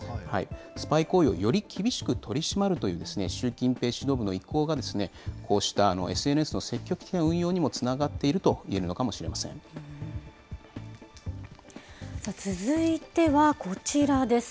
スパイ行為をより厳しく取り締まるという習近平指導部の意向が、こうしたＳＮＳの積極的な運用にもつながっているともいえるのか続いては、こちらです。